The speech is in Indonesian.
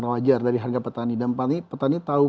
wajar dari harga petani dan petani tahu